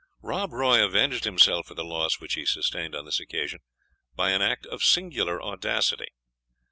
Rob Roy avenged himself for the loss which he sustained on this occasion by an act of singular audacity.